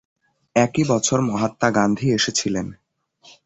একই বছর মহাত্মা গান্ধী এসেছিলেন।